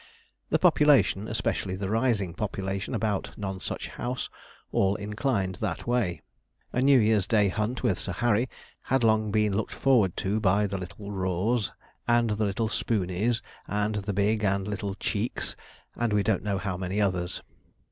The population, especially the rising population about Nonsuch House, all inclined that way. A New Year's Day's hunt with Sir Harry had long been looked forward to by the little Raws, and the little Spooneys, and the big and little Cheeks, and we don't know how many others.